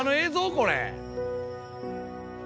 これ。